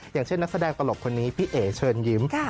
อย่างเช่นนักแสดงตลกคนนี้พี่เอ๋เชิญยิ้ม